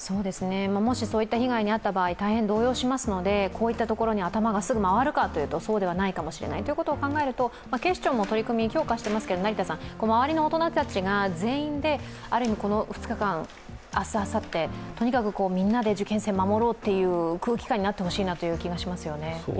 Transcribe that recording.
もしそういった被害に遭った場合大変動揺しますのでこういったところにすぐ頭が回るかというと、そうではないかもしれない。ということを考えると、警視庁も取り組みを強化していますけど、周りの大人たちが全員でこの２日間明日、あさってとにかくみんなで受験生を守ろうという空気感になってほしいなという気がしますね。